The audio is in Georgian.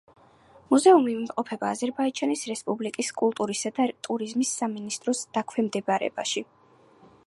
მუზეუმი იმყოფება აზერბაიჯანის რესპუბლიკის კულტურისა და ტურიზმის სამინისტროს დაქვემდებარებაში.